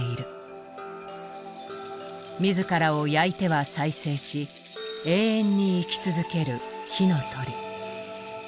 自らを焼いては再生し永遠に生き続ける火の鳥。